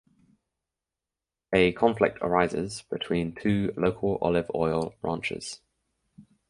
A conflict arises between two local olive oil ranches.